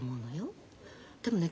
でもね